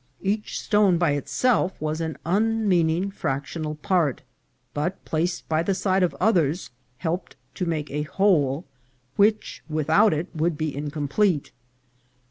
Each stone, by itself, was an unmeaning fractional part; but, placed by the side of others, helped to make a whole, which without it would be incomplete.